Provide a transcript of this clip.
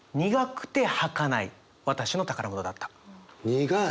苦い？